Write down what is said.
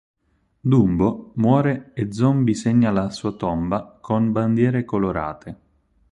Dumbo muore e Zombie segna la sua tomba con bandiere colorate.